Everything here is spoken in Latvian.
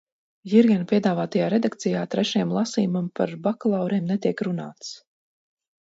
Jirgena piedāvātajā redakcijā trešajam lasījumam par bakalauriem netiek runāts.